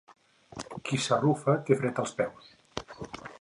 Qui s'arrufa té fred de peus.